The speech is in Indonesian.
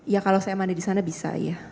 ya kalau saya mandi di sana bisa ya